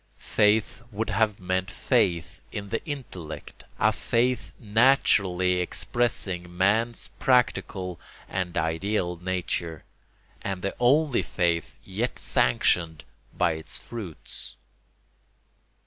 Faith would have meant faith in the intellect, a faith naturally expressing man's practical and ideal nature, and the only faith yet sanctioned by its fruits.